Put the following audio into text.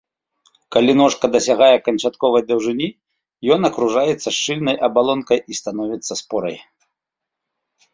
Калі ножка дасягае канчатковай даўжыні, ён акружаецца шчыльнай абалонкай і становіцца спорай.